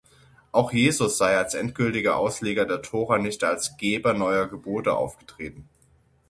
Auch Jesus sei als endgültiger Ausleger der Tora nicht als Geber neuer Gebote aufgetreten.